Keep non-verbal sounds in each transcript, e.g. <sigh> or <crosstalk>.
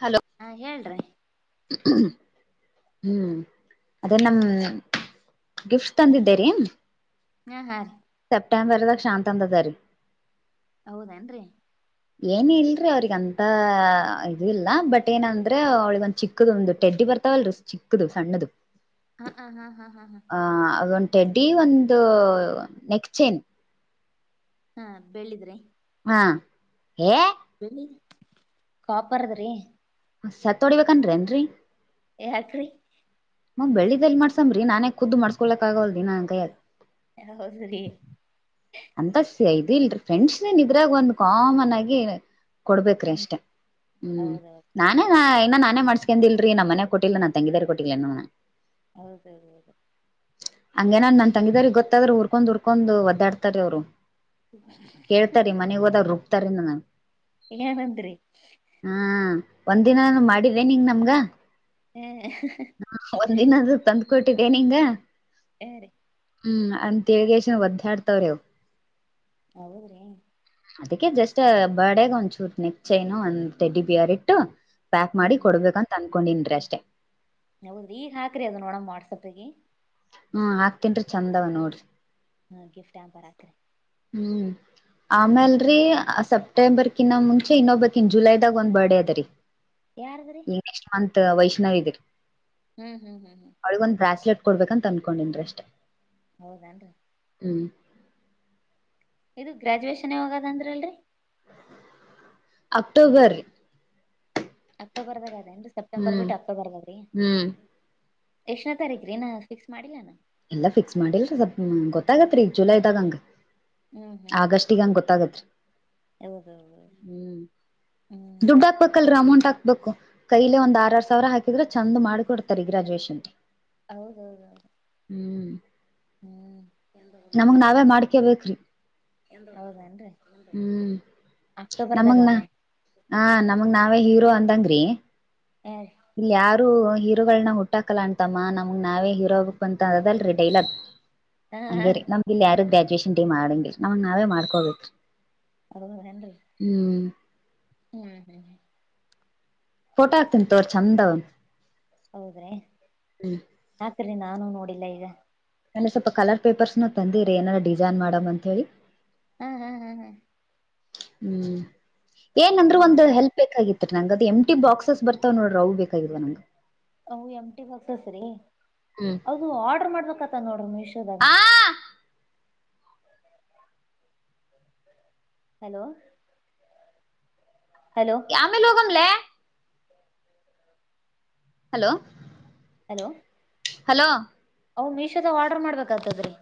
Hello ಹಾ ಹೇಳ್ರಿ ಹ್ಮ್- ಅದೇ ನಮ ಗಿಫ್ಟ್ ತಂದಿದ್ದೇರೀ. ಹ್ಮ- ಹಾ- ರೀ ಸೆಪ್ಟೆಂಬರ್ ದ ಶಾಂತ ಅದರಿ. ಹೌದೇನ್ರರಿ. ಏನ ಇಲ್ರಿ ಅವ್ರಗಂತ ಇದ ಇಲ್ಲ ಬಟ್ ಏನಂದ್ರೆ ಅವಳಿೊಂದ ಚಿಕ್ಕದ ಒಂದು ಟೆಡ್ಡಿ ಬಾರ್ತಾವಲೀ ಚಿಕ್ಕದು ಸಣ್ಣದದು ಹ್ಮ ಹ್ಮ ಹಾ ಹಾ ಹಾ ಹಾ ಅದೊಂದ್ ಟೆಡ್ಡಿ ಒಂದು ನೆಕ್ ಚೈನ್ ಹಾ ಬೆಳ್ಳಿದ್ರಿ ಹ ಹ ಕಾಪಾರದ್ರಿ ಸತ್ತ ಹೊಡಿಬೇಕನ್ರನ್ರರಿ ಯಾಕ್ರೀ ಮ್- ಬೆಳ್ಳಿಲ್ ಮಾಡಸಂಬ್ರೀ ನಾನೇ ಖುದು ಮಾಡಸ್ಕೊಳಕ್ಗಲ್ರಿ ನನ್ ಕೈಯಗಾ. ಹ- ಸರಿ ಅಂತ ಇದ ಇಲ್ರಿ ಫ್ರೆಂಡ್ಸ್ನಿದ್ರಾಗ ಒಂದ್ ಕಾಮನ್ ಆಗಿ, ಕೊಡ್ಬೇಕ್ರೀ ಹ್ಮ್ ಅಷ್ಟೇ -ಹ್ಮ್- ಹೌದೌದು ನಾನೇ ಹ್ಮ್ ಇನ್ನ ನಾನೇ ಮಾಡ್ಸ್. ಎದಿಲ್ರಿ ನಮ್ಮ ಮನೆ ಕೊಟ್ಟಿಲ್ಲ ನಾ ತಂಗಿದಾರ ಕೊಟ್ಟಿಲ್ಲ ಅನ್ನೆ. ಹೌದೌದು ಅದು. ಹಂಗೇನ ನನ್ ತಂಗಿದಾರ ಗೊತ್ತಾದ್ರರು ಉ-ಊರ್ಕೊಂಡ್ ಉರ್ಕೊಂಡ್ ಒದ್ದಾಡ್ತಾರ ಅವ್ರು. ಕೇಳ್ತಾರೀ ಮನೆಗ್ ಹೋದಾಗ ರುಬ್ತಾರ ನನ್ನ ಇನೇನ್ಂಅಂದ್ರಿ ಒಂದ್ ದಿನ ಮಾಡಿದೆ ನಿಂಗ ನಮ್ಗ ಹಾ ಒಂದಿನ ತಂದು. ಕೊಟ್ಟಿದ್ದೇ ನಿಂಗ. ಏ -ರ್ರೀ ಹ್ಮ್- ಅ -ತಿಳ್ಗೇಶ ಒದ್ದಾಡ್ತಾವ್ರೇವು ಹೌದ್ರೀ. ಅದಕ್ಕೆ ಜಸ್ಟ್ ಬಡಾಗ ಒಂದ್ ನೇಟ್ ನೆಕ್ ಚೈನು ಒಂದ್ ಡಡ್ಡಿ ಬಿಯರಿಟ್ಟು. ಪ್ಯಾಕ್ ಹ್ಮ್ ಮಾಡಿ ಹ್ಮ್ ಕೊಡ್ಬೇಕಂತ ಅನ್ಕೊಂಡನಿ ಅಷ್ಟೇ. ಹೌದ್ರಿ ಈಗ ಹಾಕ್ರಿ ಅದ ನೋಡಮ್ಮ ವಾಟ್ಸಪ್. ಹ್ಮ್ -ಆಕ್ತನ್ರಿ ಚಂದವ ನೋಡ್ರಿ. ಹ್ಮ- ಗಿಫ್ಟ್ -ಏ -ಬರಾತ್ರಿ ಹ್ಮ್ -ಆಮೇಲ್ರಿ- ಸ ಸೆಪ್ಟೆಂಬರ್ ಕಿನ್ನ ಮುಂಚೆ ಇನ್ನೊಬ್ಬಕ್ನ್ ಜುಲೈದಾಗ ಒಂದ್ ಬರ್ಡೇ ಅದ -ರೀ ಯಾರದ್ರಿ -ಈ ನೆಕ್ಸ್ಟ್ ಮಂತ್. ವೈಷ್ಣವೀದರ್ ಹ್ಮ್- ಹ್ಮ್- ಹ್ಮ್ -ಹ್ಮ್ ಕೊಡ್ಬೇಕ ಅಂತ ಅಂದ್ಕೊಂಡಿದರು ಅಷ್ಟೇ. ಹೌದನು ಹ್ಮ್- ಇದು ಗ್ರ್ಯಾಜುಯೇಷನ್ ಯಾವಗಾ ಹೋಗದಂದ್ರಲ್ರರಿ. ಅಕ್ಟೋಬರ್ ಅಕ್ಟೋಬರ್ದಾಗ ಅದೇನ್ ಸೆಪ್ಟೆಂಬರ್ ಹ್ಮ್ ಬಿಟ್ಟು ಅಕ್ಟೋಬರ್ದಾಗ್ರೀ. ಹ್ಮ್ ಎಷ್ಟನೇ ತಾರೀಕ್ರೀ- ನ- ಫಿಕ್ಸ್ ಮಾಡಿಲ್ಲಾನ. ಎಲ್ಲಾ ಫಿಕ್ಸ್ ಮಾಡಿಲ್ರಿ ಸ್ವಲ್ ಗೊತ್ತಾಗತ್ರಿ ಜುಲೈ ಇದದಾಗಂಗ. ಹ್ಮ್ ಹ್ಮ್ ಹ್ಮ್ ಆಗಷ್ಟೆ ಹಂಗ ಗೊತ್ತಾಗೂರ್ರೀ. ಹೌದೌದು ಹ್ಮ್- ದುಡ್ಡ ಹಾಕ್ಬೇಕಲ್ರಿ ಅಮೌಂಟ್. ಗುಡ್ಡ ಹಾಕ್ಬೇಕು ಕೈಲೆ ಒಂದ್ ಆರ್ ಆರ್ ಸಾವಿರ ಹಾಕಿದ್ರೆ ಚಂದ ಮಾಡ್ಕೊಡ್ತಾರೆ ಗ್ರಾಜುಯೇಷನ್. ಹೌದೌ-ದೌ-ದು ಹ್ಮ್-ಹ್ ಹ್ಮ್ <inaudible> ನಮಗ್ ನಾವೇ ಮಾಡ್ಕೇ ಬೇಕರಿಬ್ರಿ ಹೌದೇಎನ್ರಿ ಹ್ಮ್ ಅಕ್ಟೂಬರದಾಗರೀದಾ ಹ ನಮಗ್ ನಾವೇ ಹೀರೋ ಅಂದಂಗ್ ರೀ ಹ ಇಲ್ಲಿ ಯಾರು ಹೀರೋಗಳನ ಹುಟ್ಟಾಕಲ್ಲ ಅಣ್ಣ ತಮ್ಮ ನಮಗ್ ನಾವೇ ಹೀರೋ ಆಗ್ಬೇಕು ಅಂತ ಅದಲ್ ರಾತ್ರಿ ಡೈಲಾಗ್. ಹಾ ರೀ ಹಂಗೇರಿ ನಮ್ದ ಇಲ್ ಯಾರು ಗ್ರ್ಯಾಜುಯೇಷನ್ -ಡೇ- ಮಾಡಂಗಿರಿ ನಮ್ಗ್ ನಾವೇ ಮಾಡ್ಕೋಬೇರ್ರೀ. ಅದ ವಂಡನ್ನ ರ್ರೀ ಹ್ಮ್- ಹ್ಮ್- ಫೋಟೋ ಹಾಕ್ತನ್ ತೋರ್ ಚಂದ- ವಾ ಹೌದ್ರಿ ಯಾಕ್ರಿ ನಾನು ನೋಡಿಲ್ಲ ಈಗ ನಾನಗೆ ಸ್ವಲ್ಪ ಕಲರ್ ಪೇಪರ್ಸ್ನ ತಂದಿರರಿ ಏನಾದಾರ ಡಿಸೈನ್ ಮಾಡ ಅಂತ ಹೇಳಿ. ಹ್ಮ್- ಹ್ಮ್ -ಹ್ಮ್ -ಹ್ಮ್- ಹ್ಮ್ -ಏನಂದ್ರರು ಹೌದ್ರಿ ಒಂದು ಹೆಲ್ಪ್ ಬೇಕಾಗಿತ್ತು. ನಂಗ ಅದ ಎಂ- ಟಿ -ಬಾಕ್ಸ್ ಬರ್ತಾವ್ ನೋಡ್ರ ಅವು ಬೇಕಾಗಿವ ನಂಗ್ಗೆ. ಎಮ ಟಿ ಬಕ್ಸಸ್ರೀ ಹ್ಮ್ ಹೌದು ಆರ್ಡ್ರ ಮಾಡ್ಬೇಕತ್ತ ನೋಡ್ರಿ ಮೀಶೋದಾಗರೀ. ಆ ಹಲೋ <inaudible> ಹಲೋ ಯಾಮೆ ಲ ಹೋಗಮಲೆ ಹಲೋ, ಹಲೋ, ಹಲೋ, ಅವು ಮೀಶೋದಾಗ ಆರ್ಡರ್ ಮಾಡ್ಬೇಕಾಅಂತದ್ರೀ,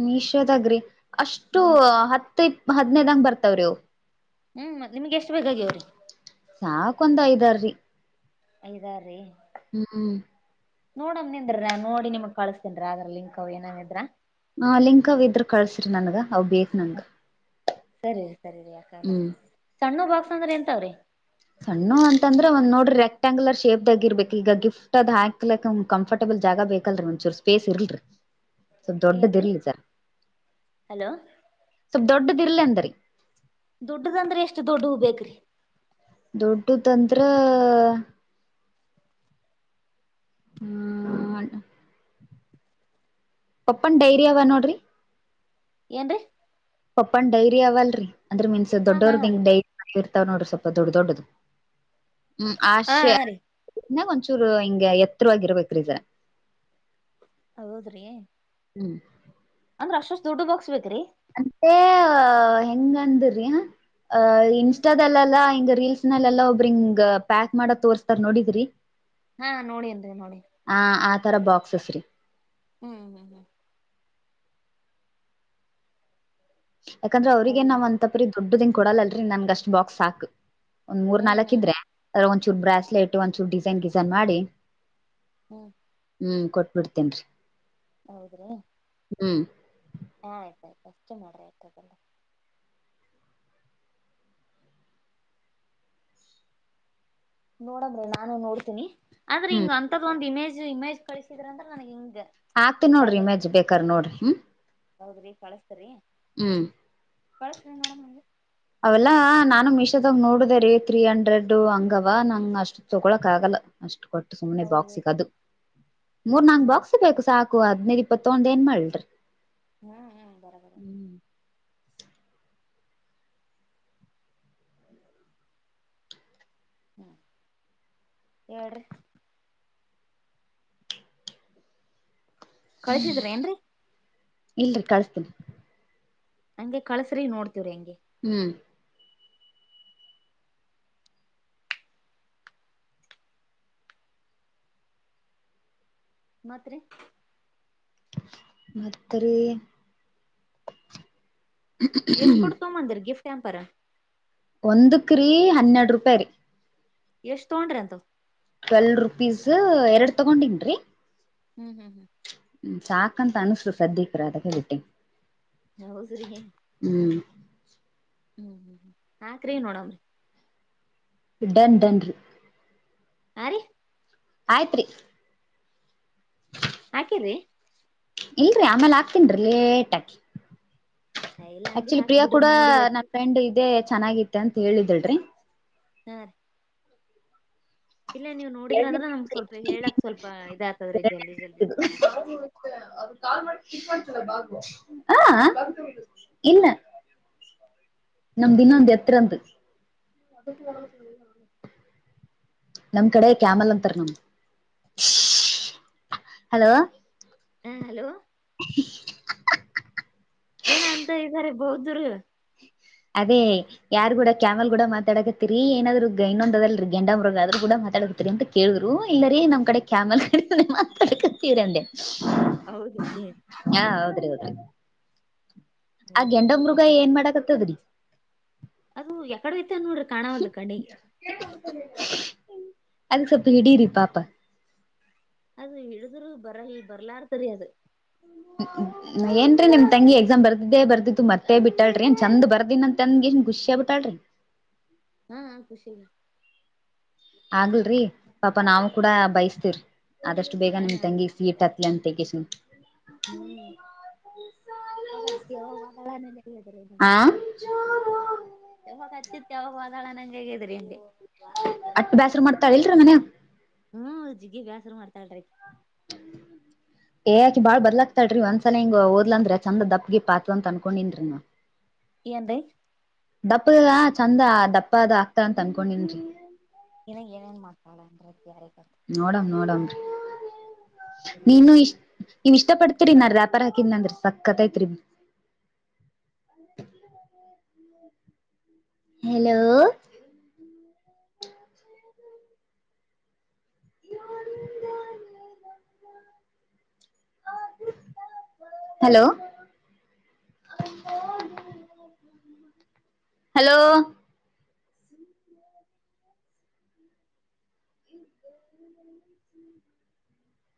ಮೀಶೋದಗ್ರಿ ಅಷ್ಟು ಹ್ಮ್ ಹತ್ ಇಪ್ತ ಹದ್ನೇದಂಗ ಬರ್ತಾವ್ರಿ ಅವು. ಹ್ಮ್, ಮತ್ತ ನಿಮ್ಗೆ ಎಷ್ಟು ಬೇಕಾಗ್ಯವ್ರಿ,. ಸಾಕೊಂದ್ ಐದಾರಿ, ಐದ ಆರ್ ರೀ <inaudible> ಹ್ಮ್, ನೋಡಮ್ನಿಂದ್ರಿ ನೋಡಿ ನಿಮಗ್ ಕಳಸ್ತನ್ರಿ ಅದ್ರಾ ಲಿಂಕ್ ಅವ್ ಏನಿದ್ರ., ಆ, ಲಿಂಕ ಇದ್ರ ಕಳ್ಸ್ರಿ ನನ್ಗ ಅವ್ ಬೇಕ ನಂಗ. ಸರಿ, ಸರಿ, ಸರಿ, ಸಿರಿ ಯಾಕಗಲ್ ಹ್ಮ್ ಸಣ್ಣ ಬಾಕ್ಸ್ ಅಂದ್ರೆ ಎಂತಾವ್ರಿ, ಸಣ್ಣುವು ಅಂತಂದ್ರೆ ಒಂದ್ ನೋಡ್ರಿ ರೆಕ್ಟಾಂಗ್ಯುಲರ್ ಶೇಪ್, ಇದಾಗಿ ಇರ್ಬೇಕು. ಈಗ ಗಿಫ್ಟ್ ಅದ್ ಹಾಕ್ಲಿಡಕ್ ಕಂಫರ್ಟಬಲ್ ಜಾಗ ಬೇಕಲ್ರಿ ಒಂಚೂರ್ ಪ್ಲೇಸ್ ಇಲ್ರಿ. ಸ್ವಲ್ ಏನ್ರೀ ದೊಡ್ಡದಿರ್ಲಿ ಜರ ಹಲೋ ಸ್ವಲ್ಪ ದೊಡ್ಡದಿರ್ಲ್ ಅಂತರಿ. ದೊಡ್ಡದಂದ್ರೆ ಎಷ್ಟು ದೊಡ್ಡವು ಬೇಕ್ರಿ, ದೊಡ್ಡದಂದ್ರ, ಹ್ಮ <inaudible> ಪಪ್ಪನ್ ಡೈರಿ ಅವ ನೋಡ್ರಿ, ಏನ್ರಿ, ಪಪ್ಪನ್ ಡೈರಿ ಅವಲ್ರಿ ಅಂದ್ರ ಮೀನ್ಸ್ ಹಾ ಹಾ ದೊಡ್ಡವ್ರದ ಹಂಗ ರೀ ಡೈರಿ ಆರಿ, ಇರತಾವ ನೋಡ್ರಿ ಸ್ವಲ್ಪ ದೊಡ್ಡ ದೊಡ್ಡದು ಹ್ಮ್, ಹಾ ಆಶೆ ಹಾ <unintelligible> ರೀ ಇನ್ನ ಒಂಚೂರು ಹಿಂಗೆ ಎತ್ತರವಾಗಿರಬೇಕ್ರಿಗ. ಹೌದ್ರೀ, ಹ್ಮ್ <inaudible> ಅಂದ್ರ ಅಷ್ಟ -ಅಷ್ಟದೊಡ್ಡ ಬಾಕ್ಸ್ ಬೇಕ್ರಿ, ಅಂತೆಹೆಂಗಂದ್ರಿ ಹಾಇನ್ಸ್ಟಾದಲ್ಲೆಲ್ಲ. ಹಿಂಗ ರೀಲ್ಸ್ ನಲ್ಲ ಎಲ್ಲಾ ಒಬ್ಬ್ರ ಹಿಂಗ್ ಪ್ಯಾಕ್ ಮಾಡದ ತೋರ್ಸ್ತಾರ್ ನೋಡಿದ್ರಿ., ಹಾ, ನೋಡಿನ್ರಿ, ನೋಡಿನಿ ತರ ಬಾಕ್ಸಸ್ ರೀ <inaudible> ಹ್ಮ್, ಹ್ಮ್, ಹ್ಮ್ ಯಾಕಂದ್ರ ಅವ್ರರಿಗೆಗ ಹೌದು ನಾವ್ ಅಂತಪ್ರೀ ದೊಡ್ಡದಂಗ್ ಕೊಡಲ್ಲಲ್ರಿ ನನ್ಗ ಅಷ್ಟ್ ಬಾಕ್ಸ್ ಸಾಕ್ ಒಂದ್ ಮೂರ್ ಹ್ಮ್ ನಾಲ್ಕ ಹ್ಮ್ ಇದ್ರೆ ಅದ ಒಂದ್ಚೂರು ಬ್ರಾಸ್ಲೆಟ್ ಒಂದ್ಚೂರ್ ಡಿಸೈನ್ ಡಿಸೈನ್ ಮಾಡಿ. ಹ್ಮ್ ಹ್ಞೂ ಕೊಟ್ಬಿಡ್ತೀನಿ ರೀ. ಹೌದ್ರೀ ಹ್ಮ್, ಹಾ, ಆಯ್ತಾಯ್ತು ಅಷ್ಟು ಮಾಡ್ರೆ ಆಯ್ತದಲ್ಲ. ನೋಡಮ್ರಿ ನಾನು ನೋಡ್ತೀನಿ. ಅಂದ್ರೆ ಹ್ಮ್ ಹಿಂಗ ಅಂತದೊಂದ ಇಮೇಜ್- ಇಮೇಜ್ ಕಳಿಸಿದ್ರ ಅಂದ್ರ ನನಗ ಹಿಂಗ ಈ ಆಕ್ತಿನಿ ನೋಡ್ರಿ ತರದ ಇಮೇಜ್ ಬೇಕಾರ ನೋಡ್ರಿ ಹ್ಮ, ಹೌದ್ರಿ ಕಳಸ್ತರಿ <unintelligible> ಹ್ಮ್, ಕಳಸ್ರಿ ನೋಡಮ್, ಅವೆಲ್ಲಾನಾನು ಮೀಶೋದಾಗ ನೋಡದೆ ರೀ. ತ್ರೀ ಹಂಡ್ರೆಡ್ ಹಂಗಾವ ನಂಗ ಅಷ್ಟು ತಗೊಳಕ್ ಆಗಲ್ಲ. ಅಷ್ಟು ಕೊಟ್ಟು ಸುಮ್ನೆ ಹೌದು ಬಾಕ್ಸಿಗದು. ಮೂರ್ ನಾಲ್ಕ್ ಬಾಕ್ಸ್ ಬೇಕು ಸಾಕು. ಅದ್ನೈದ ಇಪ್ಪತ್ತುತಗಂಡ ಏನ್ ಮಾಡಲ್ರಿ, ಹ್ಮ್ ಹ್ಮ್ ಬರಬರ <inaudible> ಹೇಳ್ರಿ ಕಳ್ಸಿದ್ರ ಏನ್ರರಿ ಇಲ್ರಿ ಕಳ್ಸಿಸ್ತಿನಿ. ಹಂಗೆ ಕಳ್ಸ್ರಿ ನೋಡ್ತಿವ್ರಿ ಹೆಂಗೆ ಹ್ಮ್ ಮತ್ತ್ ರಿ ಮತ್ರಿ ಎಷ್ಟ್ ಕೊಡ್ಕೊಂಡ್ ಬಂದಿರಿ ಗಿಫ್ಟ್ ಪ್ಯಂಪರ್. ಒಂದುಕ್ಕ್ರೀ ಹನ್ನೆರಡು ರೂಪಾಯಿ ರೀ. ಎಷ್ಟ್ ತಗೊಂಡ್ರಿ ಅಂತದು. ಟ್ವೆಲ್ ರುಪೀಸ್ ಎರಡು ತಗೊಂಡಿನ್ ರಿ ಹ್ಮ್ ಹ್ಮ್ ಹ್ಮ್ ಹ್ಮ್ ಸಾಕಂತ ಅನುಸ್ತು ಸದ್ದಿಕ್ <unintelligible> ಹೌದ್ರಿ ಹ್ಮ್ ಹಾಕ್ರೀ ನೋಡನ್ ಡನ್ ಡನ್ ರೀ ಹಾ ರೀ ಆಯ್ತ್ರಿ ಹಾಕಿ ರೀ ಇಲ್ರರಿ ಆಮೇಲ್ ಆಕ್ತೀನ್ರಿ ಲೇಟ್ ಆಕಿ ಇಲ್ಲ ಹಂಗೆ ಆಕ್ಚುಲಿ ಹಾಕ್ ಪ್ರಿಯಾ ಬಿಡ್ರಿ ಕೂಡ ನೋಡಿ ನನ್ ಫ್ರೆಂಡ್ ಇದೇ ಚೆನ್ನಾಗಿತ್ತ ಅಂತ ಹೇಳಿದಳ್ರಿ. ಹಾ <unintelligible> ಇಲ್ಲ ನೀವು ನೋಡಿದ್ರ ಅಂದ್ರೆ ನಮ್ಗ್ ಸ್ವಲ್ಪ ಹೇಳಕ್ ಸ್ವಲ್ಪ ಇದ ಆಗ್ತದ್ರೀ ಜಲ್ದಿ ಜಲ್ದಿ ಚನ್ನಗ ಹ ಇಲ್ಲ ನಮ್ದಿನ್ನೊಂದು ಅಂದು ಎತ್ರ <unintelligible> ನಮ್ ಕಡೆ ಕ್ಯಾಮಲ್ ಅಂತಾರ ನಮ <unintelligible> ಹಲೋ ಹಾ ಹಲೋ <inaudible> ಹೊದ್ರಿ ಅದೇ ಯಾರ ಕೂಡ ಕ್ಯಾಮಲ್ ಕೂಡ ಮಾತಾಡಕತ್ತರಿ ಏನಾದ್ರು ಇನ್ನೊಂದದಲ ರಿ ಗೆಂಡ ಮೃಗ ಆದ್ರೂ ಕೂಡ <unintelligible> ಅಂತ ಕೇಳಿದ್ರು ಇಲ್ಲರೀ ನಮ್ ಕಡೆ ಕ್ಯಾಮಲ್ ಕಡೆೆ ಮಾತಾಡ್ಕತೀರಿಂದೆ ಹೌದ್ರಿ ಹಾ ಹೌದ್ರಿ ಹೌದ್ರಿ ಆ ಹೌದ್ರಿ ಗೆಂಡ ಮೃಗ ಏನ್ ಮಾಡಾಕತ್ತದ್ರಿ ಅದು ಎಕಡೆ ಹೋಯಿತು ಅ ನೋಡ್ರೆ ಕಾಣಾವಲ್ದು ಕಣ್ಣಿಗೆ. ಅದಕ್ಕೆ ಸೊಪ ಹಿಡೀರಿ ಪಾಪ ಅದು ಹಡಿದ್ರು ಬರಲ್ ಬರ್ಲಾರತರಿ ಅದು ಏನ್ರೀ ನಿಮ ತಂಗಿ ಎಕ್ಸಾಮ್ ಬರ್ದಿದ್ದೇ ಬರ್ದಿದ್ದು ಮತ್ತೆ ಬಿಟ್ಟಲ್ರಿನ್ ಚಂದ್ ಬರ್ದಿನ್ಂತ ತಂಗಿ ಖುಷಿಯ ಆ ಬಿಟ್ಟಾಳ್ರಿ ಹಾ ಖುಷಿ ಗೆ ಆಗ್ಲ್ರಿ ಪಾಪಾ ನಾವು ಕೂಡ ಬಯಸ್ತಿರಿ ಆದಷ್ಟು ಬೇಗ ನಿಮ್ ಹಾ ರೀ ತಂಗಿ ಆಯ್ತ ಸೀಟ್ ಹಕ್ಲಿ ಅಂತ ಹ್ಮ್ <unintelligible> <unintelligible> ಹಾ ಯಾವಾಗ ಹಚ್ಚಿತ್ ಯಾವಾಗ ಹೋದಳೋ ನಂಗೆ ಹೇಗಿದ್ರಿ ನಿಮಗೆ ಅಟ್ಟು ಬೇಸ್ರ ಮಾಡ್ತಾಳಿಲ್ರ ಮನ್ಯ ಹ್ಮ್ ಜಿಗ್ಗಿ ಬ್ಯಾಸರು ಮಾಡ್ತಾಲ್ರಿ <inaudible> ಏಾಕ ಬಾಳ ಬದಲಾತಾಳ್ರೀ ಒಂದ್ಸಲ ಹಿಂಗ ದ್ಲ ಅಂದ್ರೆ ಚಂದ ದಪ್ಗಿ ಪಾತ ಅಂತ ಅನ್ಕೊಂಡನ್್ರೀನು ಎಂದ ದಪ್ಪದ ಚಂದ ದಪ್ಪ ಅದ ಆಗ್ತಾರಂತ ಅನ್ಕೊಂಡನ್ರಿ ಇನ್ನ ಏನೇನ್ ಮಾತಾನಂದ ಯಾರ ನೋಡಂ ನೋಡಮರಿ ನೀನು ಇಷ್ಟ ನೀವ ಇಷ್ಟ ಪಡ್ತೀರಿ ನ ವ್ಯಾಪಾರ ಇನ್ನಂದ್ರ ಸಕ್ಕತ್ಐತ್ರಿ ಹಲೋ ಹಲೋ ಹಲೋ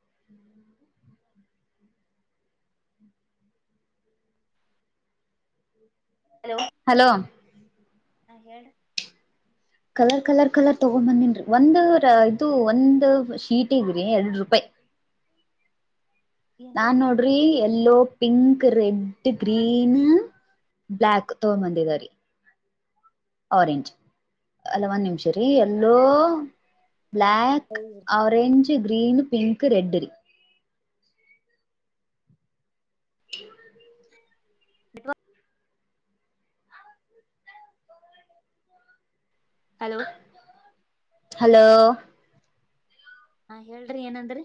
ಹ್ಮ್ ಹಲೋ ಹಾ ಹೇಳ ಕಲರ್ ಕಲರ್ ಕಲರ್ ತಗೊಂಡ್ ಬಂದಿನ್ರಿ ಒಂದ ರ ಇದು ಒಂದು ಶೀಟ್ಗ್ರಿ ಎರಡು ರೂಪಾಯಿ ಏನ್ರಿ ನಾನ್ ನೋಡ್ರಿ yellow pink red green black ತೊಗೊಬಂದ ಇದಾವ ರೀ ಆರೆಂಜ್ ಅಲ್ಲ ಒಂದ್ ನಿಮಿಷ ರೀ yellow black orange green pink red ರೀ ಹ ಇ ಹಲೋ ಹಲೋ ಹಾ ಹೇಳ್ರಿ ಏನಂದ್ರಿ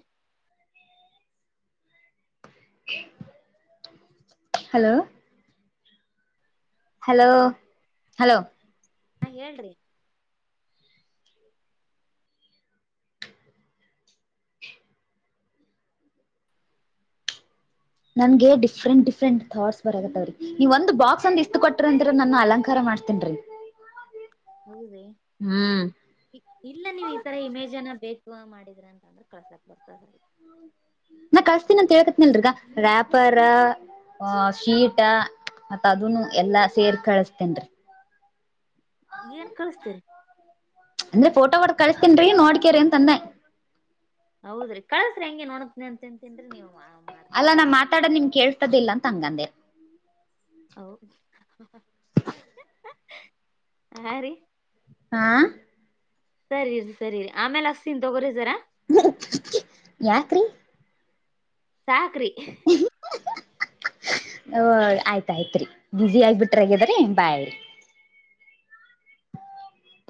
<inaudible> ಹಲೋ ಹಲೋ ಹಲೋ ಹಾ ಹೇಳ್ರಿ ನನ್ಗೆ ಡಿಫ್ರೆಂಟ್ ಡಿಫರೆಂಟ್ ಥಾಟ್ಸ್ ಬರಗತ್ತಾವ್ರೀ ನೀವ ಒಂದು ಬಾಕ್ಸ್ ಅಂದ ಇಷ್ಟು ಕೊಟ್ಟ್ರ ಅಂದ್ರೆ ನನ್ನ ಅಲಂಕಾರ ಮಾಡ ಮಾಡ್ತೇನ್ಿ ಹೌದ ಇಲ್ಲ ನೀವು ಈ ತರ ಇಮೇಜ್ನ್ನ ಬ ಮಾಡಿದ್ರ ಅಂತ ಅಂದ್ರೆ ಕಳ್ಸಾಕ್ ಬರ್ತದ ನಾ ಕಳ್ಸ್ತೀನಿ ಅಂತ ಹೇಕತ್ಿನಿಲ್ರಗ ರ್ಯಾಪರ್ ಶೀಟ ಮತ್ತ್ ಅದನು ಎಲ್ಲಾ ಸೇರ್ ಕಳಸ್ತೇನ್ೀ ಏನ್ ಕಳಸ್ತರಿ ಅಂದ್ರೆ ಫೋಟೋ ಹೊ ಕಳಿಸಸ್ತನ್ರೀ ನೋಡ್ಕ್ಯ್ರ ಅಂತಂದೆ ಹೌದ್ರಿ ಕಳಸ್ರಿ ಹೆಂಗೆನ್ ನೋಡ ತಿನ್ಂತನ್ಿ ನೀವು ಮಾಡ ಅಲ್ಲಾ ನಾ ಕಳಕ್ಲಾಗ್ಯದ ಮಾತಾಡ ನಿಮ ಕೇಳ್ತದಿಲ್ಲ ಅಂತ ಹಂಗಂದೆ ಹ ಹ ರೀ ಆಾ ಸರಿರಿ ಸರಿ ಆಮೇಲೆ ಅಸ್ತಿನ್ ತೊಗೋರಿಿದರಾ ಹ್ಮ ಯಾಕ್ರಿ ಸಾಕ್ರಿ ಹ್ಮ ಹ ಆಯ್ತಾಯ್ತ್ರಿ ಬುಸಿ ಆಗ್ಬಿಟ್ರಗ್ಯದ್ರಿ ಬಾಯಿ <inaudible>